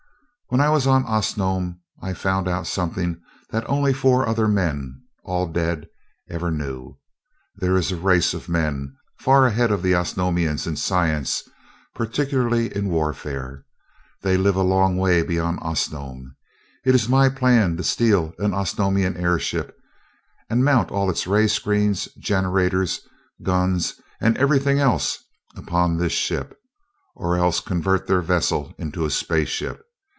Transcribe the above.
When I was on Osnome I found out something that only four other men all dead ever knew. There is a race of men far ahead of the Osnomians in science, particularly in warfare. They live a long way beyond Osnome. It is my plan to steal an Osnomian airship and mount all its ray screens, generators, guns, and everything else, upon this ship, or else convert their vessel into a space ship.